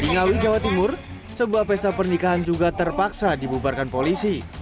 di ngawi jawa timur sebuah pesta pernikahan juga terpaksa dibubarkan polisi